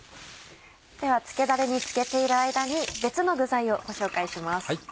では漬けだれに漬けている間に別の具材をご紹介します。